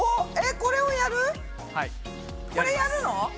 これやるの？